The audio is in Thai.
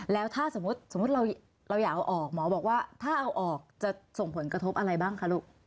แล้วถ้าสมมุติสมมุติเราอยากเอาออกหมอบอกว่าถ้าเอาออกจะส่งผลกระทบอะไรบ้างคะลูก